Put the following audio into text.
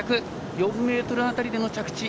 ４ｍ辺りでの着地。